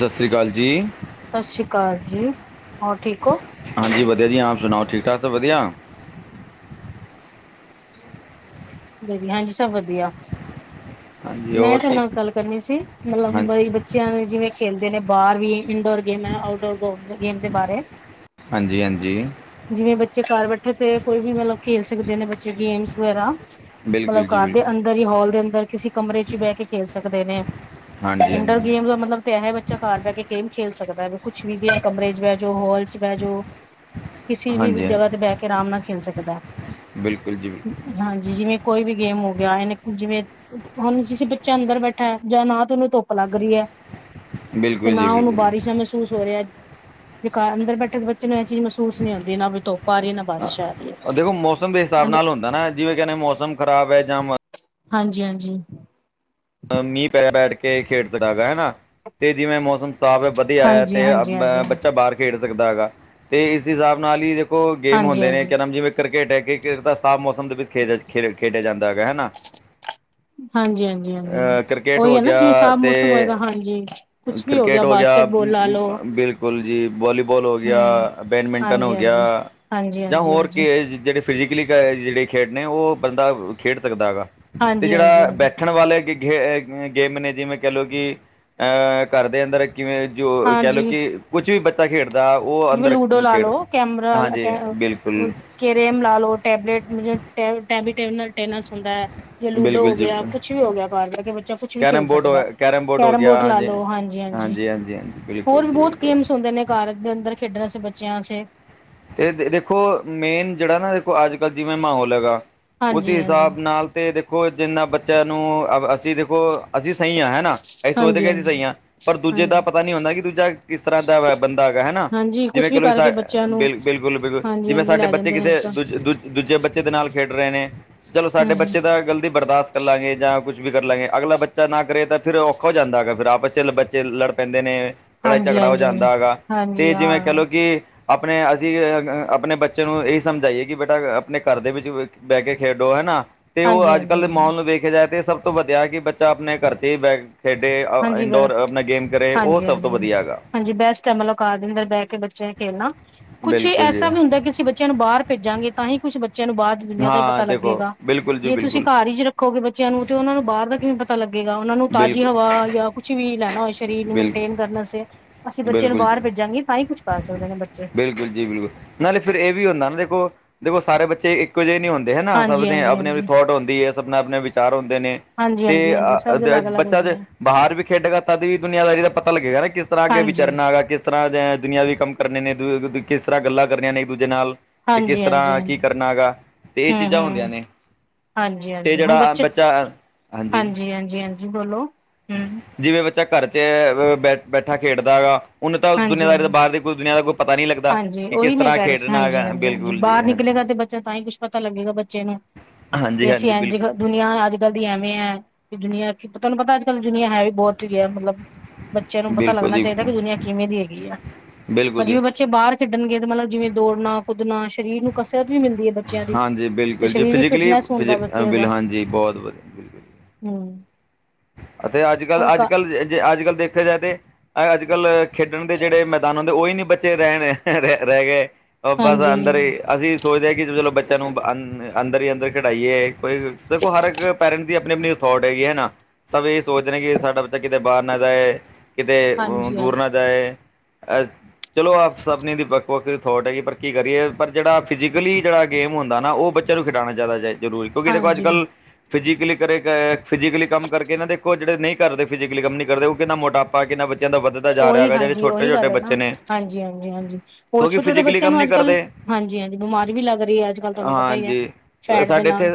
ਸਸ ਸ੍ਰੀ ਕਾਲ ਜੀ। ਸਸ ਸ੍ਰੀ ਕਾਲ ਜੀ, ਹੋਰ ਠੀਕ ਹੋ? ਹਾਂਜੀ ਵਧੀਆ ਜੀ ਆਪ ਸੁਣਾਓ, ਠੀਕ ਠਾਕ ਸਭ ਵਧੀਆ? ਹਾਂਜੀ ਸਭ ਵਧੀਆ, ਹਾਂਜੀ ਮੈਂ ਹੋਰ ਤੁਹਾਡੇ ਕੀ ਨਾਲ ਗੱਲ ਕਰਨੀ ਸੀ ਹਾਂ ਮਲਬ ਬਈ ਬ ਬੱਚਿਆਂ ਦੇ ਜਿਵੇਂ ਖੇਲਦੇ ਨੇ ਬਾਰ ਵੀ ਇਨਡੋਰ ਗੇਮ ਆਊਟਡੋਰ ਗੇਮ ਦੇ ਬਾਰੇ। ਹਾਂਜੀ-ਹਾਂਜੀ। ਜਿਵੇਂ ਬੱਚੇ ਘਰ ਬੈਠੇ ਤੇ ਕੋਈ ਵੀ ਮਤਲਬ ਖੇਲ ਸਕਦੇ ਨੇ ਬੱਚੇ ਗੇਮਸ ਵਗੈਰਾ। ਮਲਬ ਬਿਲਕੁਲ ਜੀ ਘਰ ਦੇ ਬਿਲਕੁਲ ਅੰਦਰ ਹੀ ਹਾਲ ਦੇ ਅੰਦਰ ਕਿਸੀ ਕਮਰੇ ਚ ਬਹਿ ਕੇ ਖੇਲ ਸਕਦੇ ਨੇ। ਹਾਂਜੀ ਹਾਂਜੀ ਇੰਨਡੋਰ ਗੇਮ ਦਾ ਮਤਲਬ ਤੇ ਇਹ ਹੈ ਬੱਚਾ ਘਰ ਬਹਿ ਕੇ ਗੇਮ ਖੇਲ ਸਕਦਾ ਐ ਕੁਛ ਵੀ ਗਿਆ ਕਮਰੇ ਚ ਬਹਿ ਜੋ ਹੋਲ ਚ ਬੇਜੋ ਕਿਸੀ ਵੀ ਹਾਂਜੀ ਜਗ੍ਹਾ ਤੇ ਹਾਂਜੀ ਬਹਿ ਕੇ ਰਾਮ ਨਾਲ ਖੇਲ ਸਕਦਾ ਬਿਲਕੁਲ ਜੀ ਬਿਲਕੁਲ ਹਾਂਜੀ ਜਿਵੇਂ ਕੋਈ ਵੀ ਗੇਮ ਹੋ ਗਿਆ ਇਹ ਨੇ ਜਿਵੇਂ ਹੁਣ ਜਿਸੀ ਬੱਚਾ ਅੰਦਰ ਬੈਠਾ ਜਾਂ ਨਾ ਤੇ ਉਹਨੂੰ ਧੁੱਪ ਲੱਗ ਰਈ ਐ‌ ਤੇ ਬਿਲਕੁਲ ਨਾ ਜੀ ਉਹਨੂੰ ਬਿਲਕੁਲ ਬਾਰਿਸ਼ਾਂ ਮਹਿਸੂਸ ਹੋ ਰਿਆ। ਜੇ ਕਰ ਅੰਦਰ ਬੈਠੇ ਤੇ ਬੱਚੇ ਨੂੰ ਇਹ ਚੀਜ਼ ਮਹਿਸੂਸ ਨੀ ਹੁੰਦੀ ਨਾ ਬੀ ਧੋ ਉਹ ਦੇਖੋ ਮੌਸਮ ਦੇ ਹਿਸਾਬ ਹੈ ਨਾਲ ਹੁੰਦਾ ਨਾ ਜਿਵੇਂ ਕਹਿੰਨੇ ਮੌਸਮ ਖਰਾਬ ਐਂ ਜਾਂ ਹਾਂਜੀ-ਹਾਂਜੀ। ਮੀਂਹ ਪੈ-ਪੈ ਬੈਠ ਕੇ ਖੇਡ ਸਦਾ ਹਨਾ ਤੇ ਜਿਵੇਂ ਮੌਸਮ ਸਫ਼ ਐ ਵਧੀਆ ਐ ਹਾਂਜੀ ਤੇ ਹਾਂਜੀ ਹਾਂਜੀ ਹਾਂਜੀ ਬੱਚਾ ਬਾਰ ਖੇਡ ਸਕਦਾ ਹੈਗਾ ਤੇ ਇਸ ਹਿਸਾਬ ਨਾਲ ਹੀ ਦੇਖੋ ਗੇਮ ਹਾਂਜੀ ਹੁੰਦੇ ਨੇ ਹਾਂਜੀ ਕਿਆ ਨਮ ਜਿਵੇਂ ਕ੍ਰਿਕਟ ਐ ਕ੍ਰਿਕਟ ਤਾਂ ਸਾਫ਼ ਮੌਸਮ ਦੇ ਵਿੱਚ ਖੇ ਖੇ ਖੇਡਿਆ ਜਾਂਦਾ ਹੈਗਾ ਹਨਾ। ਹਾਂਜੀ ਹਾਂਜੀ ਹਾਂਜੀ ਹਾਂਜੀ। ਕ੍ਰਿਕਟ ਉਹੀ ਹੋ ਐਨਾ ਜਿਵੇਂ ਗਿਆ ਸਾਫ਼ ਤੇ ਮੌਸਮ ਹੋਏਗਾ ਹਾਂਜੀ। ਕੁਛ ਵੀ ਕ੍ਰਿਕਟ ਹੋ ਗਿਆ, ਬਾਸਕਟਬੋਲ ਲਾ ਅਂ ਲੋ ਅਂ ਬਿਲਕੁਲ ਜੀ ਵਾਲੀਬਾਲ ਹੋ ਗਿਆ, ਹਮ ਬੈਡਮਿੰਟਨ ਹਾਂਜੀ ਹੋ ਹਾਂਜੀ ਗਿਆ। ਹਾਂਜੀ ਜਾਂ ਹਾਂਜੀ ਹਾਂਜੀ ਹੋਰ ਕਿ ਐ ਜਿਹੜੇ ਫਿਜੀਕਲੀ ਕੇ ਜਿਹੜੇ ਖੇਡ ਨੇ, ਉਹ ਬੰਦਾ ਖੇਡ ਸਕਦਾ ਗਾ ਤੇ ਹਾਂਜੀ ਹਾਂਜੀ ਜਿਹੜਾ ਹਾਂਜੀ ਬੈ ਠਣ ਵਾਲੇ ਗ ਗੇ ਗੇਮ ਨੇ, ਜਿਵੇਂ ਕਹਿ ਲਓ ਕਿ ਅ ਘਰ ਦੇ ਅੰਦਰ ਕਿਵੇਂ ਜੋ ਕਹਿ ਲਓ ਹਾਂਜੀ ਕਿ ਕੁਛ ਵੀ ਬੱਚਾ ਖੇਡਦਾ, ਉਹ ਜਿਵੇਂ ਅੰਦਰ ਲੂਡੋ ਲਾ ਖੇਡ ਦ, ਲੋ ਕੈਮਰਾ ਹਾਂਜੀ ਬਿਲਕੁਲ। ਕੇਰੇਮ ਲਾ ਲੋ, ਟੈਬਲੈਟ ਟੈਬ ਟੈਬਿਟੈਨਲ ਟੈਨਿਸ ਹੁੰਦਾ‌। ਜਾਂ ਲੂਡੋ ਹੋ ਬਿਲਕੁਲ ਜੀ ਗਿਆ ਕੁਛ ਵੀ ਹੋ ਗਿਆ, ਘਰ ਬੈ ਕੇ ਬੱ ਚਾਏ, ਕੁਛ ਵੀ ਖੇਲ ਕੈਰਮ ਬੋਰਡ ਹੋ ਸਕਦਾ, ਹੋ ਕੈਰਮ ਗਿਆ ਬੋਰਡ ਲੈ ਹਾਂਜੀ ਲੋੋ ਹਾਂਜੀ ਹਾਂਜੀ, ਹਾਂਜੀ ਬਿਲਕੁਲ ਹੋਰ ਵੀ ਜੀ ਬਹੁਤ ਬਿਲਕੁਲ ਗੇਮਸ ਹੁੰਦੇ ਨੇ ਕਾਰ ਅੰਦੇ ਅੰਦਰ ਖੇਡਣ ਅਸਤੇ ਬੱਚਿਆਂ ਆਸੇ। ਤੇ ਦੇਖੋ ਮੇਨ ਜੇੜਾ ਨਾ ਦੇਖੋ ਅੱਜ-ਕੱਲ੍ਹ ਜਿਵੇਂ ਮਾਹੌਲ ਹੈਗਾ, ਉਸ ਹਾਂਜੀ ਹਾਂਜੀ ਹਿਸਾਬ ਨਾਲ ਤੇ ਦੇਖੋ ਜਿੰਨਾ ਬੱਚਿਆਂ ਨੂੰ ਅਸੀਂ ਦੇਖੋ, ਅਸੀਂ ਸਹੀ ਆ ਹੈਨਾ? ਅਸੀਂ ਸੋਚਦੇ ਹਾਂਜੀ ਕਿ ਅਸੀਂ ਹਾਂਜੀ ਸਹੀ ਆਂ। ਪਰ ਦੂਜੇ ਦਾ ਹਾਂਜੀ ਪਤਾ ਨੀ ਹੁੰਣਾ ਕਿ ਦੂਜਾ ਕਿਸ ਤਰ੍ਹਾਂ ਦਾ ਵੈ ਬੰਦਾ ਹੈਗਾ, ਹੈਨਾਂ। ਹਾਂਜੀ, ਕੁਛ ਵੀ ਕਰਕੇ ਬੱਚਿਆਂ ਨੂੰ ਬਿਲ ਬਿਲਕੁਲ ਬਿਲ ਹਾਂਜੀ ਜਿਵੇਂ ਹਾਂਜੀ ਸਾਡੇ ਲੈ ਬੱਚੇ ਜਾਂਦੇ ਨੇ ਕਿਸੇ ਤਾਂ ਦੂਜ ਦੂਜ ਦੂਜੇ ਬੱਚੇ ਦੇ ਨਾਲ ਖੇਡ ਰਹੇ ਨੇ, ਚਲੋ ਹਮ ਸਾਡੇ ਹਮ ਬੱਚੇ ਦਾ ਗਲਤੀ ਬਰਦਾਸ਼ ਕਰ ਲਾਂਗੇ ਜਾਂ ਕੁੱਛ ਵੀ ਕਰ ਲਾਂਗੇ। ਅਗਲਾ ਬੱਚਾ ਨਾ ਕਰੇ ਤਾਂ ਫਿਰ ਔਖਾ ਹੋ ਜਾਂਦਾ ਹੈਗਾ, ਫਿਰ ਆਪਸ ਚ ਬੱਚੇ ਲੜ ਪੈਂਦੇ ਨੇ‌ ਹਾਂਜੀ ਲੜਾਈ-ਝਗੜਾ ਹੋ ਹਾਂਜੀ ਹਾਂਜੀ ਜਾਂਦਾ ਹਾਂ ਹੈਗਾ ਹਾਂਜੀ ਤੇ ਜਿਵੇਂ ਕੈ ਲੋ ਕਿ ਅਪਣੇ ਅਸੀਂ ਅੰ ਅਪਣੇ ਬੱਚੇ ਨੂੰ ਏਹੀ ਸਮਝਾਈਏ ਕਿ ਬੇਟਾ ਅਪਣੇ ਘਰ ਦੇ ਵਿੱਚ ਬੈਹ ਕੇ ਖੇਡੋ, ਹੈਨਾ। ਤੇ ਹਾਂਜੀ ਓਹ ਅੱਜ-ਕੱਲ੍ਹ ਦੇ ਹਾਂਜੀ ਮਾਹੌਲ ਨੂੰ ਵੇਖਿਆ ਜਾਏ ਤੇ ਸਭ ਤੋਂ ਵਧੀਆ ਐ ਕਿ ਬੱਚਾ ਅਪਣੇ ਘਰ ਚ ਈ ਬੈਹ ਖੇਡੇ ਅ ਹਾਂਜੀ ਬ ਇਨਡੋਰ ਅਪਣਾ ਗੇਮ ਕਰੇ, ਓਹ ਹਾਂਜੀ ਸਭ ਤੋਂ ਹਾਂਜੀ ਵਧੀਆ ਹੈਗਾ। ਹਾਂਜੀ, ਬੈਸਟ ਐ ਮਤਲਬ ਘਾਰ ਦੇ ਅੰਦਰ ਬੈਹ ਕੇ ਬੱਚੇ ਨੇ ਖੇਲਣਾ। ਕੁਛ ਬਿਲਕੁਲ ਜੀ ਐਸਾ ਵੀ ਹੁੰਦਾ ਏ ਕਿਸੀ ਬੱਚ ਬੱਚਿਆਂ ਨੂੰ ਬਾਰ ਭੇਜਾਂਗੇ ਤਾਂ ਹੀ ਕੁਛ ਬੱਚਿਆਂ ਨੂੰ ਬਾਰ ਦੀ ਦੁਨੀਆਂ ਦਾ ਈ ਹਾਂ ਪਤਾ ਦੇਖੋ ਲੱਗੇਗਾ। ਬਿਲਕੁਲ ਜੀ ਜੇ ਤੁਸੀਂ ਬਿਲਕੁਲ ਘਰ ਇਜ ਰ ਰਖੋਗੇ ਬੱਚਿਆਂ ਨੂੰ ਤੇ ਉਹਨਾਂ ਨੂੰ ਬਾਰ ਦਾ ਕਿਵੇਂ ਪਤਾ ਲੱਗੇਗਾ। ਓਨਾਂ ਨੂੰ ਤਾਜ਼ੀ ਬਿਲਕੁਲ ਹਵਾ ਯਾ ਕੁਛ ਵੀ ਲੈਣਾ ਹੋਏ ਸਰੀਰ ਨੂੰ ਬਿਲਕੁਲ ਮੇਨਟੇਨ ਕਰਨ ਆਸਤੇ। ਅਸੀਂ ਬੱਚੇ ਨੂੰ ਬਿਲਕੁਲ ਬਾਰ ਜੀ ਭੇਜਾਂਗੇ ਤਾਂ ਈ ਕੁੱਛ ਕਰ ਸਕਦੇ ਨੇ ਬੱਚੇ। ਬਿਲਕੁਲ ਜੀ ਬਿਲਕੁਲ। ਨਾਲੇ ਫਿਰ ਏਹ ਵੀ ਹੁੰਣਾ ਨਾ ਦੇਖੋ, ਦੇਖੋ ਸਾਰੇ ਬੱਚੇ ਇਕੋ ਜੇ ਨੀ ਹੁੰਦੇ ਹੈਨਾ। ਸਭ ਹਾਂਜੀ ਦੇ ਹਾਂਜੀ ਅਪਣੇ-ਅਪਣੇ ਹਾਂਜੀ ਥੋਟ ਹੋੰਦੀ ਏ, ਸਭ ਨੇ ਅਪਣੇ ਵਿਚਾਰ ਹੁੰਦੇ ਨੇ। ਹਾਂਜੀ ਤੇ ਹਾਂਜੀ ਹਾਂਜੀ ਸਭ ਅਹ ਦੇ ਅਲੱਗ ਅਲੱਗ ਬੱਚਾ ਹੁੰਦੇ ਜ ਆ ਬਾਰ ਵੀ ਖੇਡੇਗਾ, ਤਦ ਵੀ ਦੁਨੀਆਂਦਾਰੀ ਦਾ ਪਤਾ ਲੱਗੇਗਾ ਨਾ ਕਿਸ ਤਰ੍ਹਾਂ ਅੱਗੇ ਹਾਂਜੀ ਵਿਚਰਨਾ ਹੈਗਾ, ਕਿਸ ਤਰ੍ਹਾਂ ਦੇ ਦੁਨਿਆ ਵੀ ਕੰਮ ਕਰਨੇ ਨੇ ਦੁਏ ਦੁਗੁ ਕਿਸ ਤਰ੍ਹਾਂ ਗੱਲਾਂ ਕਰਨੀਆਂ ਨੇ ਏੱਕ-ਦੂਜੇ ਨਾਲ। ਤੇ ਕਿਸ ਹਾਂਜੀ ਹਾਂਜੀ ਤਰ੍ਹਾਂ ਕੀ ਹਾਂਜੀ ਕਰਨਾ ਹੈਗਾ ਤੇ ਏਹ ਹੂੰ ਚੀਜ਼ਾਂ ਹੁੰਦੀਆਂ ਹੂੰ ਨੇ। ਹਾਂਜੀ ਤੇ ਹਾਂਜੀ ਹੁਣ ਜੇੜਾ ਅ ਬੱਚੇ ਬੱਚਾ ਹਾਂਜੀ। ਜੀ ਬੋਲੋ, ਹਂ। ਜਿਵੇਂ ਬੱਚਾ ਘਰ ਚ ਅ ਬ ਬੈਠਾ ਖੇਡਦਾ ਹੈਗਾ, ਉਹਨੂੰ ਤਾਂ ਹਾਂਜੀ ਦੁਨੀਆਂਦਾਰੀ ਤੋਂ ਹਾਂਜੀ ਬਾਰ ਦੀ ਕੋਈ ਦੁਨੀਆਂ ਦਾ ਕੋਈ ਪਤਾ ਨਹੀਂ ਲੱਗਦਾ ਹਾਂਜੀ, ਕਿ ਕਿਸ ਓਹੀ ਮੈਂ ਤਰ੍ਹਾਂ ਕੈਹ ਰੀ ਸੀ। ਖੇਡਣਾ ਹਾਂਜੀ ਹੈਗਾ ਹਾਂਜੀ, ਹਾਂਜੀ ਬਿਲਕੁਲ ਜੀ ਬਾਰ ਹਾਂਜੀ ਨਿਕਲੇਗਾ ਤੇ ਬੱਚਾ ਤਾਂ ਈ ਕੁਛ ਪਤਾ ਲੱਗੇਗਾ ਬੱਚੇ ਨੂੰ ਹਾਂਜੀ ਵੀ ਅਸੀਂ ਹਾਂਜੀ ਐੰਝ ਬਿਲਕੁਲ ਦੁਨੀਆਂ ਅੱਜ-ਕੱਲ੍ਹ ਦੀ ਐਵੇਂ ਐ, ਕਿ ਦੁਨੀਆਂ ਕਿ ਤੁਆਨੂੰ ਪਤਾ ਅੱਜ-ਕੱਲ ਦੀ ਦੁਨੀਆਂ ਹੈ ਵੀ ਬੌਤ ਹੀ ਐ ਮਤਲਬ ਬੱਚਿਆਂ ਨੂੰ ਪਤਾ ਬਿਲਕੁਲ ਲੱਗਣਾ ਜੀ ਚਾਈਦੈ ਕਿ ਦੁਨੀਆਂ ਕਿਵੇਂ ਦੀ ਹੈਗੀ ਆ। ਹੁਣ ਬਿਲਕੁਲ ਜੀ ਜਿਵੇਂ ਬੱ ਬੱਚੇ ਬਾਰ ਖੇਡਣਗੇ ਤੇ ਮਤਲਬ ਜਿਵੇਂ ਦੌੜਨਾ, ਕੁੱਦਣਾ ਸਰੀਰ ਨੂੰ ਕਸਰਤ ਵੀ ਮਿਲਦੀ ਏ। ਬੱਚਿਆਂ ਦੀ, ਹਾਂਜੀ ਤੇ ਬਿਲਕੁਲ ਜੀ ਸਰੀਰ ਵੀ ਫਿਜ਼ੀਕਲੀ ਫਿਟਨੈਸ ਫਿਜ਼ੀ ਹੁੰਦੈ ਬੱਚੇ ਬਿਲ ਦਾ। ਹਾਂਜੀ ਬਹੁਤ ਵਧੀਆ ਬਿਲਕੁਲ ਹਂ। ਅਤੇ ਅੱਜ-ਕੱਲ੍ਹ ਅੱਜ-ਕੱਲ੍ਹ ਜੇ ਅੱਜ-ਕੱਲ੍ਹ ਦੇਖਿਆ ਜਾਏ ਤੇ ਐ ਅੱਜ-ਕੱਲ੍ਹ ਖੇਡਣ ਦੇ ਜੇੜੇ ਮੈਦਾਨ ਤੇ ਓਹੀ ਨੀ ਬੱਚੇ ਰੈਣ ਰੈਹ ਰੈਹ ਗਏ। ਬਸ ਹਾਂਜੀ ਹਾਂਜੀ ਅੰਦਰ ਏ ਅਸੀਂ ਸੋਚਦੇ ਐ ਕਿ ਚਲੋ ਬੱਚਿਆਂ ਨੂੰ ਅੰ ਅੰਦਰ ਹੀ ਅੰਦਰ ਖੇਢਾਈਏ। ਕੋਈ ਵ ਦੇਖੋ ਹਰ ਏੱਕ ਪੈਰੈਂਟ ਦੀ ਅਪਣੀ-ਅਪਣੀ ਥੋਟ ਹੇਗੀ, ਹੈਨਾ। ਸਭ ਏਹੀ ਸੋਚਦੇ ਨੇ, ਕਿ ਸਾਡਾ ਬੱਚਾ ਕਿਤੇ ਬਾਰ ਨਾ ਜਾਏ, ਕਿਤੇ ਹਾਂਜੀ ਦੂਰ ਹਾਂਜੀ ਨਾ ਜਾਏ। ਅੱਜ ਚਲੋ, ਆਪ ਸਭਣੀ ਦੀ ਵੱਖ-ਵੱਖ ਥੋਟ ਹੈਗੀ ਏ, ਪਰ ਕੀ ਕਰੀਏ, ਪਰ ਜੇੜਾ ਫਿਜ਼ਕਲੀ ਜੇੜਾ ਗੇਮ ਹੁੰਦਾ, ਓ ਬੱਚ ਚੇ ਨੂੰ ਖਿਡਾਣਾ ਜੈਦਾ ਜਾਏ ਜ਼ਰੂਰੀ। ਕਿਉਂਕਿ ਦੇਖੋ ਹਾਂਜੀ ਅੱਜ-ਕੱਲ, ਫਿਜੀਕਲੀ ਕਰੇ, ਫਿਜ਼ਕਲੀ ਕੰਮ ਕਰਕੇ ਨਾ ਦੇਖੋ ਜੇੜੇ ਨਹੀਂ ਕਰਦੇ, ਫਿਜੀਕਲੀ ਕੰਮ ਨੀ ਕਰਦੇ, ਓਕਿੰਨਾ ਮੋਟਾਪਾ ਕਿੰਨਾ ਬੱ ਓ ਹੀ ਹਾਂਜੀ, ਓਹੀ ਗੱਲ ਐ ਨਾ। ਨੇ ਹਾਂਜੀ-ਹਾਂਜੀ, ਹਾਂਜੀ ਹੋਰ ਕਿਉਂਕਿ ਛੋਟੇ-ਛੋਟੇ ਫਿਜ਼ੀਕਲੀ ਬੱਚੇਆਂ ਕੰਮ ਨੂੰ ਨਹੀਂ ਅੱਜ-ਕੱਲ੍ਹ ਕਰਦੇ ਹਾਂਜੀ- ਹਾਂਜੀ, ਬਿਮਾਰੀ ਵੀ ਲੱਗ ਰਈ ਐ, ਅੱਜ-ਕੱਲ੍ਹ ਤੁਆਨੂੰ ਪਤਾ ਈ ਐ, ਹਾਂਜੀ ਫੈਟ ਦੇ ਸਾਡੇ ਇੱਥੇ ਨਾਲ।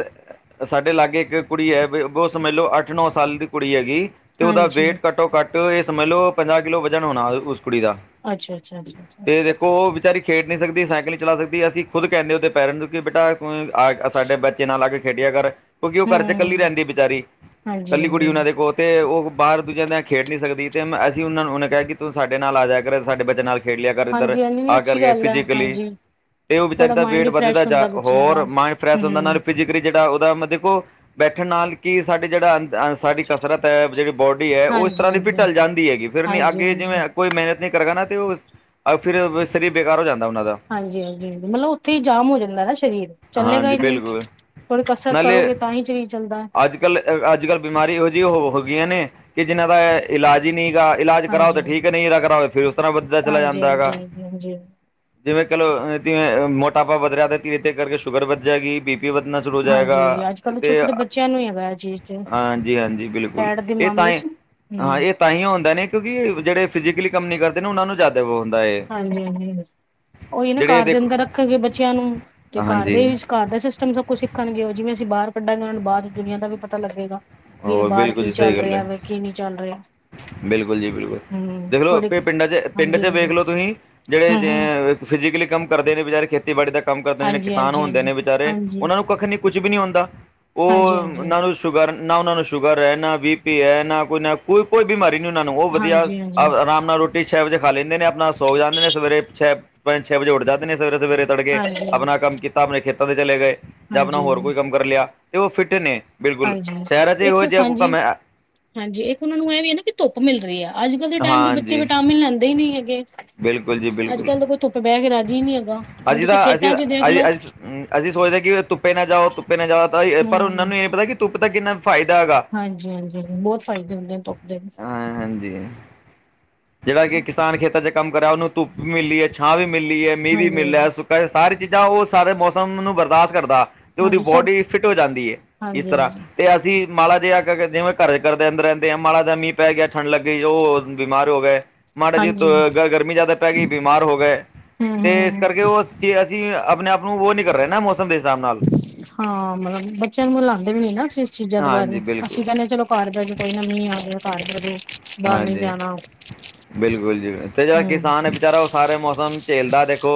ਸਾਡੇ ਲਾਗੇ ਇੱਕ ਕੁੜੀ ਐ, ਬੌ ਸਮਜ ਲੋ ਅੱਠ-ਨੌ ਸਾਲ ਦੀ ਕੁੜੀ ਹੈਗੀ। ਤੇ ਓਦਾ ਹਾਂਜੀ ਵੇਟ ਘੱਟੋ-ਘੱਟ ਏਹ ਸਮਝ ਲੋ ਪੰਜਾਹ ਕਿੱਲੋ ਵਜਨ ਹੋਣਾ, ਓਸ ਕੁੜੀ ਦਾ। ਅੱਛਾ, ਅੱਛਾ, ਅੱਛਾ, ਅੱਛਾ, ਅੱਛਾ। ਓ ਵਿਚਾਰੀ ਖੇਡ ਨੀ ਸਕਦੀ, ਸਾਈਕਲ ਨੀ ਚਲਾ ਸਕਦੀ। ਅਸੀਂ ਖੁਦ ਕੈੰਦੇ ਉਹਦੇ ਪੈਰੈਂਟ ਨੂੰ ਕਿ ਬੇਟਾ ਤੂੰ ਆਏ ਆ ਸਾਡੇ ਬੱਚੇ ਨਾਲ ਆ ਕੇ ਖੇਡਿਆ ਕਰ। ਕਿਉਂਕਿ, ਓ ਘਰ ਚ ਕੱਲੀ ਹਮ ਰੈੰਦੀ ਬੇਚਾਰੀ। ਹਾਂਜੀ ਕੱਲੀ ਕੁੜੀ ਹਾਂਜੀ ਓਨਾਂ ਦੇ ਕੋਲ। ਤੇ ਓ ਬਾਰ ਦੂਜਿਆਂ ਨਾਲ ਖੇਡ ਨੀ ਸਕਦੀ, ਤੇ ਮੈਂ ਅਸੀਂ ਉਨੇ ਕਿਆ ਕਿ ਤੂੰ ਸਾਡੇ ਨਾਲ ਆ ਜਾਯਾ ਕਰ, ਸਾਡੇ ਬੱਚੇਆਂ ਨਾਲ ਖੇਡ ਲਿਆ ਕਰ ਏਧਰ, ਹਾਂਜੀ ਹਾਂਜੀ ਤਾਂ ਅੱਛੀ ਕਰਕੇ ਗੱਲ ਹੈ ਫਿਜੀਕਲੀ। ਹਾਂਜੀ ਤੇ ਓਵਿਚਾਰੀ ਥੋੜਾ ਦਾ ਮਾਇੰਡ ਵੇਟ ਵੀ ਵੱਧਦਾ ਫਰੈਸ਼ ਜਾਂ ਹੁੰਦਾ ਬੱਚਿਆਂ ਦਾ ਹੋਰ ਮਾਇੰਡ ਫਰੈਸ਼ ਹੁੰਦਾ ਹਮ ਨਾਲ ਫਿ ਜੇਹੜਾ ਓਦਾ ਮਤਲਬ ਦੇਖੋ, ਬੈਠਣ ਨਾਲ ਕਿ ਸਾਡੇ ਜੇਹੜਾ ਅ ਸਾਡੀ ਕਸਰਤ, ਜੇਹੜੀ ਬੋਡੀ ਹੈ, ਓ ਏਸ ਹਾਂਜੀ ਤਰ੍ਹਾਂ ਦੀ ਹਾਂਜੀ ਢਲ ਜਾਂਦੀ ਹੈਗੀ, ਫਿਰ ਨਈ ਹਾਂਜੀ ਅੱਗੇ ਹਾਂਜੀ ਜਿਵੇਂ ਕੋਈ ਮਿਹਨਤ ਨਈ ਕਰੇਗਾ, ਨਾ ਅਤੇ ਓ ਫਿਰ ਸਰੀਰ ਬੇਕਾਰ ਹੋ ਜਾਂਦਾ, ਉਹਨਾਂ ਦਾ ਹਾਂਜੀ- ਹਾਂਜੀ, ਮਤਲਬ ਉੱਥੇ ਹੀ ਜਾਮ ਹੋ ਜਾਂਦਾ ਨਾ, ਸਰੀਰ ਚੱਲੇਗਾ ਹਾਂਜੀ ਹੀ ਨੀ, ਬਿਲਕੁਲ ਥੋੜੀ ਕਸਰਤ ਕਰੋਗੇ ਤਾਂ ਹੀ ਸਰੀਰ ਚੱਲਦਾ ਹੈ ਅੱਜਕੱਲ੍ਹ-ਅੱਜਕੱਲ੍ਹ, ਬਿਮਾਰੀ ਇਹੋ ਜਿਹੀ ਹੋਗੀਆ ਨੇ ਕਿ ਜਿਹਨਾਂ ਦਾ ਇਲਾਜ ਹੀ ਨੀ ਹੈਗਾ, ਇਲਾਜ ਕਰਾਓ ਹਾਂਜੀ ਤੇ ਹਾਂਜੀ ਠੀਕ ਹੈ, ਨਈ ਕਰਾਓ ਫੇਰ ਓਸ ਤਰ੍ਹਾਂ ਵੱਧਦਾ ਚਲਾ ਹਾਂਜੀ ਜਾਂਦਾ ਹਾਂਜੀ ਹੈਗਾ ਹਾਂਜੀ ਹਾਂਜੀ ਜਿਵੇਂ ਕਹਿ ਲੋ, ਜਿਵੇਂ ਮੋਟਾਪਾ ਵਧਿਆ, ਤੇ ਧੀਰੇ ਧੀਰੇ ਤੇ ਕਰਕੇ ਸ਼ੂਗਰ ਵਧ ਜੇਗੀ, ਬੀ ਪੀ ਵਧਣਾ ਹੋ ਜਾਏਗਾ ਹਾਂਜੀ ਅੱਜ ਕੱਲ੍ਹ ਦੇ ਛੋਟੇ ਤੇ ਛੋਟੇ ਬੱਚਿਆਂ ਨੂੰ ਹੀ ਹੈਗਾ ਇਹ ਚੀਜ਼ ਤੇ ਹਾਂਜੀ-ਹਾਂਜੀ, ਬਿਲਕੁਲ ਫੈਟ ਦੇ ਏਹ ਮਾਮਲੇ ਤਾਂਏ ਚ ਹੂੰ ਤਾਂ ਹੀ ਆਉਂਦਾ ਨੇ ਕਿਉਂਕਿ ਜੇਹੜੇ ਫਿਜ਼ਕਲੀ ਕੰਮ ਨੀ ਕਰਦੇ ਉਹਨਾਂ ਨੂੰ ਜ਼ਿਆਦਾ ਹੁੰਦਾ ਏ, ਹਾਂਜੀ ਜੇਹੜੇ ਦੇਖੋ ਕਹੀਏ, ਬੱਚੇਆਂ ਨੂੰ ਤੇ ਘਰ ਹਾਂਜੀ ਦੇ ਵਿੱਚ ਘਰ ਦਾ ਸਿਸਟਮ ਸਭ ਕੁਛ ਸਿੱਖਣਗੇ ਓ, ਜਿਵੇਂ ਅਸੀਂ ਬਾਰ ਕੱਢਾਂਗੇ, ਓਨਾਂ ਨੂੰ ਬਾਰ ਦੁਨੀਆਂ ਦਾ ਵੀ ਪਤਾ ਲੱਗੇਗਾ ਵੀ ਹੋਰ ਬਾਰ ਬਿਲਕੁਲ ਕੀ ਜੀ ਚੱਲ ਸਹੀ ਗੱਲ ਰਿਹਾ ਹੈ ਵੈ, ਕੀ ਨੀ ਚੱਲ ਰਿਹਾ ਬਿਲਕੁਲ ਜੀ ਬਿਲਕੁਲ, ਦੇਖਲੋ ਥੋੜੀ ਪਿੰਡਾਂ ਚ ਪਿੰਡਾਂ ਹਾਂਜੀ ਚ ਵੇਖ ਹਾਂਜੀ ਲੋ, ਤੁਸੀਂ ਹੂੰ ਹੂੰ, ਜੇਹੜੇ ਫਿਜੀਕਲੀ ਕੰਮ ਕਰਦੇ ਨੇ ਵਿਚਾਰੇ, ਖੇਤੀਬਾੜੀ ਦਾ ਕੰਮ ਕਰਦੇ ਨੇ, ਜੇਹੜੇ ਹਾਂਜੀ ਕਿਸਾਨ ਹਾਂਜੀ ਹੁੰਦੇ ਹਾਂਜੀ ਨੇ, ਵਿਚਾਰੇ ਹਾਂਜੀ ਓਨਾਂ ਨੂੰ ਕੱਖ ਨਈ ਕੁਛ ਵੀ ਨੀ ਹੁੰਦਾ, ਓ ਹਾਂਜੀ ਹਾਂਜੀ ਓਨਾ ਨਾ ਓਨਾਂ ਨੂੰ ਸ਼ੂਗਰ ਐ ਨਾ ਬੀ ਪੀ ਹੈ ਨਾ ਕੋਈ ਨਾ ਕੋਈ ਕੋਈ ਬਿਮਾਰੀ ਨੀ ਓਨਾਂ ਨੂੰ, ਓ ਵਧੀਆ ਹਾਂਜੀ ਹਾਂਜੀ ਆਰਾਮ ਨਾਲ ਰੋਟੀ ਰੋਟੀ ਛੇ ਵਜੇ ਖਾ ਲੈਂਦੇ ਨੇ, ਆਪਣਾ ਸੋ ਜਾਂਦੇ ਨੇ, ਸਵੇਰੇ ਛੇ ਪੰਜ ਛੇ ਵਜੇ ਉੱਠ ਜਾਂਦੇ ਨੇ, ਸਵੇਰੇ- ਸਵੇਰੇ ਤੜ ਕੇ ਹਾਂਜੀ ਆਪਣਾ ਕੰਮ ਕੀਤਾ, ਆਪਣੇ ਖੇਤਾਂ ਤੇ ਚਲੇ ਗਏ ਜਾਂ ਆਪਣਾ ਹਾਂਜੀ ਹੋਰ ਹਾਂਜੀ ਕੋਈ ਕੰਮ ਕਰ ਲਿਆ ਤੇ ਓ ਫਿੱਟ ਨੇ ਬਿਲਕੁਲ, ਹਾਂਜੀ, ਸੈਹਰਾਂ ਚ ਹੀ ਇਹੋ ਇੱਕ ਜਿਹਾ ਕੋਈ ਹਾਂਜੀ ਕੰਮ ਹੈ। ਹਾਂਜੀ, ਇੱਕ ਓਨਾ ਨੂੰ ਇਹ ਵੀ ਨਾ ਕਿ ਧੁੱਪ ਮਿਲ ਰਹੀ ਆ ਅੱਜਕੱਲ੍ਹ ਦੇ ਟਾਈਮ ਦੇ ਬੱਚੇ ਹਾਂਜੀ ਵਿਟਾਮਿਨ ਲੈਂਦੇ ਈ ਨੀ ਹੈਗੇ ਬਿਲਕੁਲ ਜੀ ਬਿਲਕੁਲ ਅੱਜਕੱਲ ਤਾਂ ਕੋਈ ਧੁੱਪੇ ਬੈ ਕੇ ਰਾਜੀ ਨੀ ਹੈਗਾ। ਹੁਣ ਅਸੀਂ ਤੁਸੀਂ ਤਾਂ ਅਸੀਂ ਖੇਤਾਂ ਚ ਦੇਖ ਅਸੀਂ ਲੋ ਅਸੀਂ ਸੋਚਦੇ ਕਿ ਧੁੱਪੇ ਨਾ ਜਾਓ, ਧੁੱਪੇ ਨਾ ਜਾਓ, ਤਾਂ ਪਰ ਓਨਾਂ ਹਮ ਨੂੰ ਏਹ ਨੀ ਪਤਾ ਕਿ ਧੁੱਪ ਦਾ ਕਿੰਨਾ ਫਾਇਦਾ ਹੈਗਾ ਹਾਂਜੀ- ਹਾਂਜੀ, ਬੋਤ ਫਾਇਦੇ ਹੁੰਦੇ ਨੇ ਧੁੱਪਦੇ ਹਾਂ, ਹਾਂਜੀ। ਜਿਹੜਾ ਕਿ ਕਿਸਾਨ ਖੇਤਾਂ ਚ' ਕੰਮ ਕਰਾ ਉਹਨੂੰ ਧੁੱਪ ਵੀ ਮਿਲੀ ਹੈ, ਛਾਂ ਵੀ ਮਿਲੀ ਹੈ, ਮੀਂਹ ਵੀ ਹਾਂਜੀ ਮਿਲਿਆ ਹਾਂਜੀ ਹੈ। ਸਾਰੀ ਚੀਜ਼ਾਂ ਉਹ ਸਾਰੇ ਮੌਸਮ ਨੂੰ ਬਰਦਾਸ਼ਤ ਕਰਦਾ। ਤੇ ਉਹਦੀ ਹਾਂਜੀ ਸਭ ਬੋਡੀ ਫਿੱਟ ਹੋ ਜਾਂਦੀ ਹੈ ਇਸ ਹਾਂਜੀ ਤਰ੍ਹਾਂ। ਹਾਂਜੀ ਤੇ ਅਸੀਂ ਮਾੜਾ ਜਿਹਾ ਜਿਵੇਂ ਘਰ ਕਰਦੇ ਅੰਦੇ ਰਹਿੰਦੇ ਆ, ਮਾੜਾ ਜਿ ਮੀਹ ਪੈ ਗਿਆ ਠੰਡ ਲੱਗੀਈ ਉਹ ਹੋ ਗਏ। ਮਾਡਾ ਜੀ ਹਾਂਜੀ ਗ- ਗਰਮੀ ਜਿਆਦਾ ਪੈ ਗਈ ਬਿਮਾਰ ਹੋ ਗਏ। ਹਮ ਤੇ ਇਸ ਹਮ ਕਰਕੇ ਉਸ ਚੀਜ਼ਂ ਅਸੀ ਆਪਣੇ ਆਪ ਨੂੰ ਉਹ ਨੀ ਕਰ ਰਹੇ ਨਾ ਮੌਸਮ ਦੇ ਹਿਸਾਬ ਨਾਲ। ਹਾਂ। ਮਤਲਬ ਬੱਚਿਆਂ ਨੂੰ ਲਾਉਂਦੇ ਵੀ ਨੀ ਨਾ ਅਸੀਂ ਇਸ ਚੀਜ਼ਾਂ ਦੇ ਹਾਂਜੀ ਬਾਰੇ ਬਿਲਕੁਲ ਅਸੀਂ ਕਹਿੰਦੇ ਚਲੋ ਕਰਦਾ ਜ ਕੋਈ ਨਾ ਮੀਂਹ ਆ ਗਿਆ। ਘਰ ਬਹਿ ਜਾਓ ਬਾਹਰ ਨੀ ਹਾਂਜੀ। ਜਾਣਾ ਬਿਲਕੁਲ ਜੀ ਤੇ ਜਿਹੜਾ ਹਮ ਕਿਸਾਨ ਹੈ ਵਿਚਾਰਾ ਉਸ ਸਾਰੇ ਮੌਸਮ ਝੇਲਦਾ ਦੇਖੋ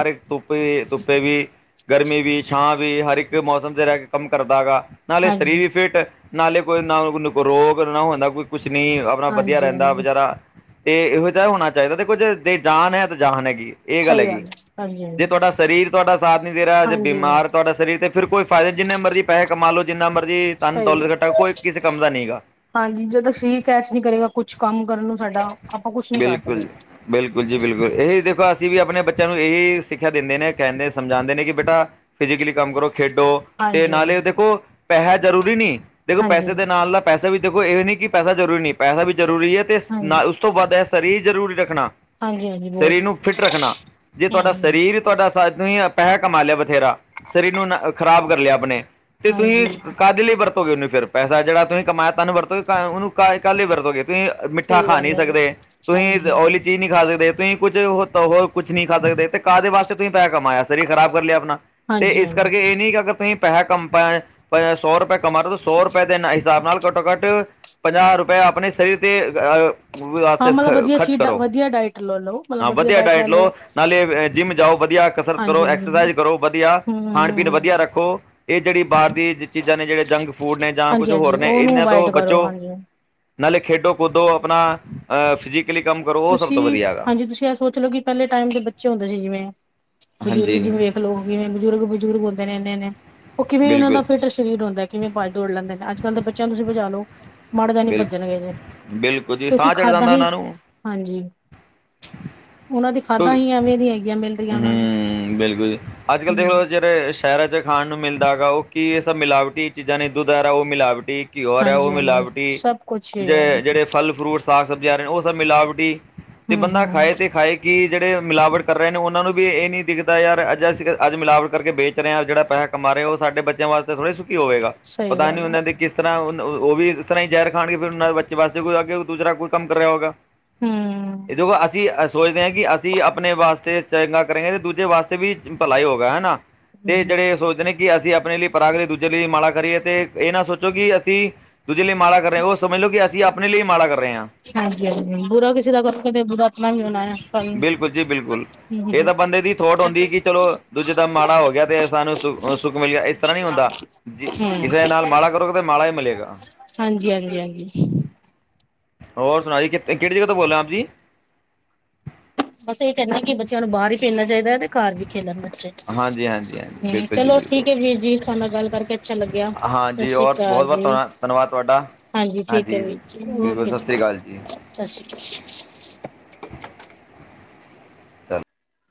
ਹਰ ਇੱਕ ਧੁੱਪ- ਧੁੱਪੇ ਵੀ ਗਰਮੀ ਵੀ ਛਾਂ ਵੀ ਹਰ ਇੱਕ ਮੌਸਮ ਤੇ ਰਹਿ ਕੇ ਕੰਮ ਕਰਦਾ ਹੈਗਾ। ਨਾਲੇ ਸਰੀਰ ਹਾਂਜੀ ਵੀ ਫਿੱਟ, ਨਾਲੇ ਕੋਈ ਨਾ ਰੋਗ ਨਾ ਹੁੰਦਾ ਕੋਈ ਕੁਛ ਨਈ। ਆਪਣਾ ਵਧੀਆ ਹਾਂਜੀ ਰਹਿੰਦਾ ਹਾਂਜੀ ਵਿਚਾਰਾ। ਤੇ ਇਹੋ ਜ ਤਾਂ ਹੋਣਾ ਚਾਹੀਦਾ ਤੇ ਕੁਝ ਦੇ ਜਾਨ ਹੈ ਤਾਂ ਜਾਨ ਹੈਗੀ। ਇਹ ਗੱਲ ਸਹੀ ਹੈਗੀ। ਹੈ ਹਾਂਜੀ ਜੇ ਹਾਂਜੀ ਤੁਹਾਡਾ ਸਰੀਰ ਤੁਹਾਡਾ ਸਾਥ ਨਈ ਦੇ ਰਿਹਾ ਜੇ ਹਾਂਜੀ ਬਿਮਾਰ ਤੁਹਾਡਾ ਸਰੀਰ ਫਿਰ ਕੋਈ ਫਾਇਦਾ ਜਿੰਨੇ ਮਰਜ਼ੀ ਪੈਸੇ ਕਮਾ ਲਓ ਜਿੰਨਾ ਮਰਜ਼ੀ ਤੁਹਾਨੂੰ ਸਹੀ ਦੌਲਤ ਗੱਲ ਖੱਟਾ ਕੋਈ ਕਿਸੇ ਕੰਮ ਦਾ ਨਈ ਹੈਗਾ। ਹਾਂਜੀ। ਜਦੋਂ ਸਰੀਰ ਕੈਚ ਨੀ ਕਰੇਗਾ ਕੁਛ ਕੰਮ ਕਰਨ ਨੂੰ ਸਾਡਾ ਆਪਾਂ ਕੁਛ ਨੀ ਕਰ ਬਿਲਕੁਲ ਸਕਦੇ। ਬਿਲਕੁਲ ਜੀ ਬਿਲਕੁਲ, ਇਹੀ ਦੇਖੋ ਅਸੀਂ ਵੀ ਆਪਣੇ ਬੱਚਿਆਂ ਨੂੰ ਇਹੀ ਸਿੱਖਿਆ ਦਿੰਦੇ ਨੇ ਕਹਿੰਦੇ ਸਮਝਾਉਂਦੇ ਨੇ ਕਿ ਬੇਟਾ ਫਿਜ਼ਕਲੀ ਕੰਮ ਕਰੋ, ਖੇਡੋ ਤੇ ਹਾਂਜੀ ਹਾਂਜੀ ਨਾਲੇ ਦੇਖੋ, ਪੈਸਾ ਜ਼ਰੂਰੀ ਨਈ, ਦੇਖੋ ਹਾਂਜੀ ਪੈਸੇ ਦੇ ਨਾਲ ਦਾ ਪੈਸਾ ਵੀ ਦੇਖੋ ਇਹ ਨਹੀਂ ਕਿ ਪੈਸਾ ਜ਼ਰੂਰੀ ਨਹੀਂ ਪੈਸਾ ਵੀ ਜ਼ਰੂਰੀ ਹੈ ਤੇ, ਨਾ ਹਾਂਜੀ ਉਸ ਤੋਂ ਵੱਧ ਹੈ ਸਰੀਰ ਜ਼ਰੂਰੀ ਰੱਖਣਾ। ਹਾਂਜੀ ਹਾਂਜੀ ਬਹੁਤ ਸਰੀਰ ਨੂੰ ਫਿੱਟ ਰੱਖਣਾ। ਜੇ ਹਮ ਤੁਹਾਡਾ ਸਰੀਰ ਹਮ ਸਰੀਰ ਤੁਹਾਡਾ ਸਾਥ ਨਿ ਹੈ। ਪੈਸਾ ਕਮਾ ਲਿਆ ਬਥੇਰਾ। ਸਰੀਰ ਨੂੰ ਖ਼ਰਾਬ ਕਰ ਲਿਆ ਆਪਣੇ, ਤੇ ਹਾਂਜੀ ਤੁਸੀਂ ਕਾਹਦੇ ਲਈ ਵਰਤੋਗੇ ਉਹਨੂੰ ਫਿਰ ਪੈਸਾ ਜਿਹੜਾ ਤੁਸੀਂ ਕਮਇਆ ਤੁਹਨੂੰਰਤੋ ਉਹਨੂੰ ਕੱਲੇ ਵਰਤੋਗੇ ਤੁਸੀਂ। ਮਿੱਠਾ ਸਹੀ ਖਾ ਗੱਲ ਨਹੀਂ ਹੈ ਜੀ ਸਕਦੇ। ਤੁਸੀਂ ਹਾਂਜੀ ਓਇਲੀ ਚੀਜ਼ ਨਹੀਂ ਖਾ ਸਕਦੇ ਤੁਸੀਂ ਕੁੱਝ ਹੋ ਹੋਰ ਕੁੱਛ ਨਹੀਂ ਖਾ ਸਕਦੇ ਤੇ ਕਾਹ ਦੇ ਵਾਸਤੇ ਤੁਸੀਂ ਪੈਸ ਕਮਾਇਆ ਸਰੀਰ ਖਰਾਬ ਕਰ ਲਿਆ ਆਪਣਾ। ਤੇ ਹਾਂਜੀ ਇਸ ਹਾਂਜੀ ਕਰਕੇ ਇਹ ਨੀ ਕਿ ਅਗਰ ਤੁਸੀਂ ਪੈਸਾ ਕੰਮ ਸੌ ਰੁਪਏ ਕਮਾੋ, ਸੌ ਰੁਪਏ ਦੇ ਹਿਸਾਬ ਨਾਲ ਘੱਟੋ -ਘੱਟ ਪੰਜਾਹ ਰੁਪਏ ਆਪਣੇ ਸਰੀਰ ਤੇ ਆ ਹਾਂ ਵਾਸਤੇ ਖ ਮਤਲਬ ਵਧੀਆ ਖਰਚ ਚੀਜ਼ ਕਰੋ। ਵਧੀਆ ਡਾਇਟ ਲੈ ਲਓ ਮਤਲਬ ਹਾਂ, ਵਧੀਆ ਡਾਇਟ ਲੈ ਲਓ, ਨਾਲੇ ਜਿੰਮ ਜਾਓ ਵਧੀਆ। ਕਸਰਤ ਹਾਂਜੀ ਕਰੋ, ਹਾਂਜੀ ਹਮ ਐਕਸਰਸਾਈਜ਼ ਕਰੋ ਵਧੀਆ। ਹਮ ਖਾਣ -ਪੀਣ ਹਮ ਵਧੀਆ ਰੱਖੋ। ਇਹ ਜਿਹੜੀ ਬਾਹਰ ਦੀ ਚੀਜ਼ਾਂ ਨੇ ਜਿਹੜੇ ਜੰਕ ਫੂਡ ਨੇ ਜਾਂ ਹਾਂਜੀ ਕੁੱਝ ਹਾਂਜੀ ਹੋਰ ਨੇ ਉਹਨੂੰ ਇਹਨਾਂ ਅਵਾਇਡ ਤੋਂ ਕਰੋ ਬਚੋ। ਹਾਂਜੀ ਨਾਲੇ ਖੇਡੋ- ਕੁਦੋ ਆਪਣਾ ਅ ਫਿਜ਼ਕਲੀ ਕੰਮ ਕਰੋ। ਉਹ ਸਭ ਤੁਸੀਂ ਤੋਂ ਵਧੀਆ ਹੈਗਾ ਹਾਂਜੀ, ਤੁਸੀਂ ਇਹ ਸੋਚ ਲਓ ਕਿ ਪਹਿਲੇ ਟਾਈਮ ਦੇ ਬੱਚੇ ਹੁੰਦੇ ਸੀ ਜਿਵੇਂ, ਬਜ਼ੁਰਗ ਹਾਂਜੀ ਜਿਵੇਂ ਲੋਕ ਕਿਵੇਂ ਬਜ਼ੁਰਗ-ਬਜ਼ੁਰਗ ਹੁੰਦੇ ਨੇ ਇਨੇ ਨੇ। ਉਹ ਕਿਵੇਂ ਇਹਨਾਂ ਦਾ ਬਿਲਕੁਲ ਫਿੱਟ ਸਰੀਰ ਹੁੰਦਾ ਕਿਵੇਂ ਬਾਜ ਦੌੜ ਲੈਂਦੇ ਨੇ ਅੱਜ ਕੱਲ੍ਹ ਦੇ ਬੱਚਿਆਂ ਤੁਸੀਂ ਭਜਾ ਲਓ। ਮਾੜ ਜਾ ਨੀ ਭੱਜਣਗੇ ਜੇ। ਬਿਲਕੁਲ ਬਿਲਕੁਲ ਜੀ ਕਿਉਂਕਿ ਸਾਹ ਚੜ ਖਾਦਾਂ ਜਾਂਦਾ ਹੀ ਉਹਨਾਂ ਨੂੰ। ਹਾਂਜੀ। ਉਹਨਾਂ ਦੀ ਹੂ, ਖਾਦਾਂ ਹੀ ਐਵੇਂ ਦੀਆਂ ਹੈਗੀਆਂ ਮਿਲ ਰਹੀਆਂ ਉਹਨਾਂ ਨੂੰ ਬਿਲਕੁਲ, ਅੱਜ ਕੱਲ ਤੇ ਹੂੰ ਬਸ ਜਿਹੜ ਸ਼ਹਿਰਾਂ ਚ' ਖਾਣ ਨੂੰ ਮਿਲਦਾ ਹੈਗਾ, ਉਹ ਕੀ ਸਭ ਮਿਲਾਵਟੀ ਚੀਜ਼ਾਂ ਨੇ ਦੁਧ ਆਰਾ ਉਹ ਮਿਲਾਵਟੀ। ਕਿ ਹੋਰ ਹੈ ਉਹ ਹਾਂਜੀ ਹਾਂਜੀ ਮਿਲਾਵਟੀ। ਸਭ ਕੁਛ ਹੀ ਹੈ ਜ- ਜਿਹੜੇ ਫਲ- ਫਰੂਟ, ਸਾਗ -ਸਬਜ਼ੀ ਆ ਰਹੇ ਨੇ ਉਹ ਸਭ ਮਿਲਾਵਟੀ। ਤੇ ਹੂੰ ਬੰਦਾ ਹੂੰ ਖਾਏ ਤੇ ਖਾਏ ਕਿ ਜਿਹੜੇ ਮਿਲਾਵਟ ਕਰ ਰਹੇ ਨੇ ਉਹਨਾਂ ਨੂੰ ਵੀ ਇਹ ਨਹੀਂ ਦਿਖਦਾ ਯਾਰ ਅੱਜ ਅਸੀਂ ਅੱਜ ਮਿਲਾਵਟ ਕਰਕੇ ਵੇਚ ਰਹੇ ਹਾਂ ਜਿਹੜਾ ਪੈਸਾ ਕੰਮ ਰਹੇ ਹਾ ਉਹ ਸਾਡੇ ਬੱਚਿਆਂ ਵਾਸਤੇ ਥੋੜ੍ਹੇ ਸੁਖੀ ਹੋਵੇਗਾ, ਸਹੀ ਪਤਾ ਨੀ ਗੱਲ ਆ ਉਹਦੇ ਕਿਸ ਇਸ ਤਰ੍ਹਾਂ ਉਹ ਵੀ ਇਸ ਤਰ੍ਹਾਂ ਹੀ ਜ਼ਹਿਰ ਖਾਣਗੇ ਫਿਰ ਉਹਨਾਂ ਦੇ ਬੱਚੇ ਵਾਸਤੇ ਕੋਈ ਅੱਗੇ ਦੂਸਰਾ ਕੋਈ ਕੰਮ ਕਰ ਰਿਹਾ ਹੋਵੇਗਾ। ਹੂੰ ਏ [unintelligible] ਅਸੀਂ ਏ ਸੋਚਦੇ ਹਾਂ ਕਿ ਅਸੀਂ ਆਪਨੇ ਵਾਸਤੇ ਚੰਗਾ ਕਰੇਂਗੇ, ਤੇ ਦੂਜੇ ਵਾਸਤੇ ਵੀ ਭਲਾ ਹੀ ਹੋਗਾ, ਹੈਨਾ। ਤੇ ਹੂੰ ਜੇੜੇ ਏ ਸੋਚਦੇ ਨੇ ਕਿ ਅਸੀਂ ਆਪਣੇ ਲਈ ਭਲਾ ਕਰੀਏ ਦੂਜੇ ਲਈ ਮਾੜਾ ਕਰੀਏ ਤੇ ਏਹ ਨਾ ਸੋਚੋ ਕਿ ਅਸੀਂ ਦੂਜੇ ਲਈ ਮਾੜਾ ਕਰ ਰਏ, ਓਹ ਸਮਝ ਲੋ ਕਿ ਅਸੀਂ ਆਪਣੇ ਲਈ ਈ ਮਾੜਾ ਕਰ ਰਏ ਹਾਂ। ਹਾਂਜੀ-ਹਾਂਜੀ, ਬੁਰਾ ਕਿਸੇ ਦਾ ਕਰਕੇ ਤੇ ਬੁਰਾ ਮੈ ਈ ਬਨਾਐ [inaudible] ਬਿਲਕੁਲ ਜੀ ਬਿਲਕੁਲ ਇਹ ਤਾਂ ਬੰਦੇ ਦੀ ਥੋਟ ਹੁੰਦੀ ਕਿ ਚਲੋ ਦੂਜੇ ਦਾ ਮਾੜਾ ਹੋ ਗਿਆ ਤੇ ਏ ਸਾਨੂੰ ਸੁ ਸੁੱਖ ਮਿਲ ਗਿਆ ਇਸ ਤਰ੍ਹਾਂ ਨੀ ਹੁੰਦਾ, ਜ ਹੂੰ ਕਿਸੇ ਦੇ ਨਾਲ ਮਾੜਾ ਕਰੋਗੇ ਤੇ ਮਾੜਾ ਹੀ ਮਿਲੇਗਾ। ਹਾਂਜੀ- ਹਾਂਜੀ। -ਹਾਂਜੀ। ਹੋਰ ਸੁਣਾ ਜੀ ਕਿਤੇ ਕੇਹੜੀ ਜਗ੍ਹਾ ਤੋਂ ਬੋਲਦੇ, ਆਪ ਜੀ? ਬਸ ਏਹ ਕੈਹੰਦੇ ਕਿ ਬੱਚਿਆਂ ਨੂੰ ਬਾਹਰ ਵੀ ਭੇਜਣਾ ਚਾਹੀਦੈ ਤੇ ਘਰ ਵੀ ਖੇਲਣ ਦੇਣਾ ਹਾਂਜੀ ਹਾਂਜੀ ਚਾਹੀਦੈ। ਹਾਂਜੀ ਹਮ ਬਿਲਕੁਲ ਜੀ ਚਲੋ ਬਿਲਕੁਲ ਠੀਕ ਏ ਵੀਰ ਜੀ, ਤੁਹਾਨੇ ਨਾਲ ਗੱਲ ਕਰਕੇ ਅੱਛਾ ਲੱਗਿਆ, ਸਤਿ ਹਾਂਜੀ ਸ੍ਰੀ ਔਰ ਕਾਲ ਬਹੁਤ ਬਹੁਤ ਜੀ। ਧੰਨ ਧੰਨਵਾਦ, ਤੁਹਾਡਾ। ਹਾਂਜੀ, ਠੀਕ ਹੈ ਵੀਰ ਜੀ। ਬਿਲਕੁਲ ਓਕੇ ਸਤਿ ਜੀ, ਸ਼੍ਰੀ ਅਕਾਲ ਸਤਿ ਸ਼੍ਰੀ ਕਾਲ ਜੀ।